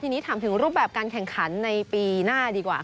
ทีนี้ถามถึงรูปแบบการแข่งขันในปีหน้าดีกว่า